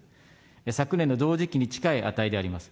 昨年の同時期に近い値であります。